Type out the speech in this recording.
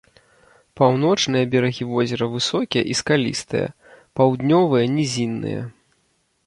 Паўночныя берагі возера высокія і скалістыя, паўднёвыя нізінныя.